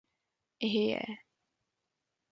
Hyje!